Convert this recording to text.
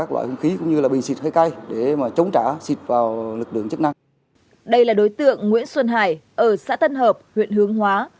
đây là đối tượng nguyễn xuân hải ở xã tân hợp huyện hướng hóa